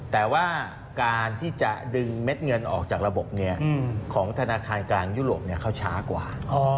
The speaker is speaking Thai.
แต่ว่าการที่จะดึงเม็ดเงินออกจากระบบของธนาคารกลางยุโรปเขาช้ากว่า